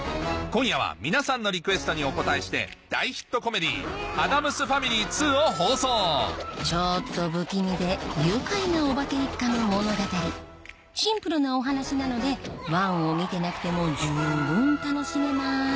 今夜は皆さんのリクエストにお応えして大ヒットコメディー『アダムス・ファミリー２』を放送ちょっと不気味で愉快なお化け一家の物語シンプルなお話なので１を見てなくても十分楽しめます